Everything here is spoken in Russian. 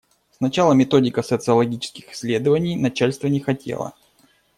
Сначала методика социологических исследований, начальство не хотело.